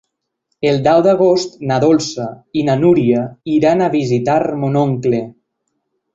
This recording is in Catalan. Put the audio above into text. El deu d'agost na Dolça i na Núria iran a visitar mon oncle.